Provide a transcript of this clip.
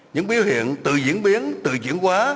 những biểu hiện tự diễn biến tự diễn quá